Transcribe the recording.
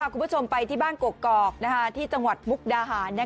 คุณผู้ชมไปที่บ้านกกอกที่จังหวัดมุกดาหาร